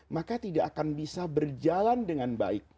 maka tidak akan bisa berjalan dengan baik